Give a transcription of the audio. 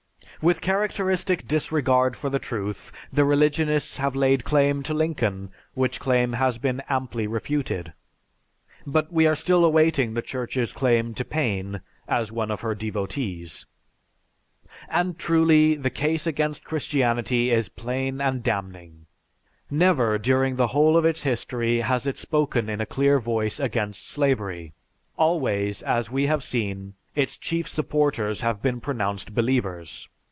With characteristic disregard for the truth, the religionists have laid claim to Lincoln, which claim has been amply refuted; but we are still awaiting the Church's claim to Paine as one of her devotees. "And, truly, the case against Christianity is plain and damning. Never, during the whole of its history has it spoken in a clear voice against slavery; always, as we have seen, its chief supporters have been pronounced believers.